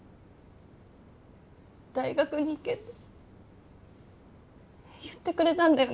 大学に行けって言ってくれたんだよね。